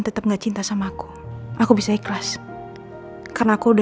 perajaan rasa mientras pergi